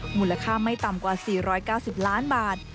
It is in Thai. มูลค่าไม่ต่ำกว่า๔๙๐ล้านบาท